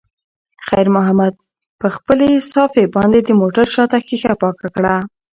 خیر محمد په خپلې صافې باندې د موټر شاته ښیښه پاکه کړه.